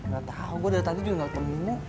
gak tahu gue dari tadi juga gak ketemu